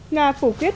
nga phủ quyết